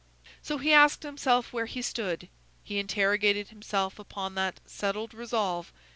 So he asked himself where he stood. He interrogated himself upon that "settled resolve."